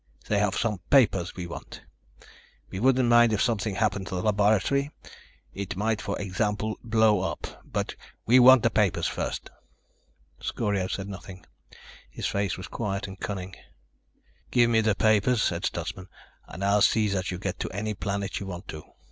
They have some papers we want. We wouldn't mind if something happened to the laboratory. It might, for example blow up. But we want the papers first." Scorio said nothing. His face was quiet and cunning. "Give me the papers," said Stutsman, "and I'll see that you get to any planet you want to.